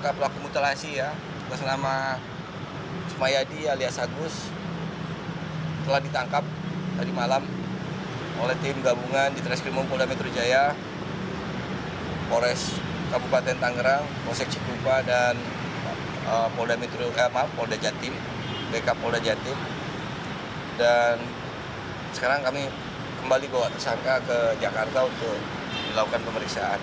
kami telah menangkap polresa tangerang polsek cikupa polsek jatim dan sekarang kami kembali ke jakarta untuk melakukan pemeriksaan